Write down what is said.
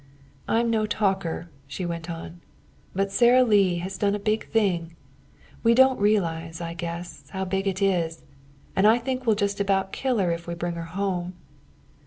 "I'm no talker," she went on, "but Sara Lee has done a big thing. We don't realize, I guess, how big it is. And I think we'll just about kill her if we bring her home."